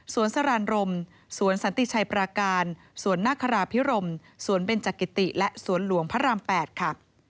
สรานรมสวนสันติชัยปราการสวนนาคาราพิรมสวนเบนจักิติและสวนหลวงพระราม๘ค่ะ